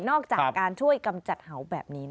จากการช่วยกำจัดเห่าแบบนี้